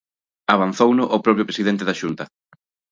Avanzouno o propio presidente da Xunta.